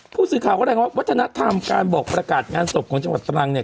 ผู้สื่อข่าวก็แรงว่าวัฒนธรรมการบอกประกาศงานศพของจังหวัดตรังเนี่ย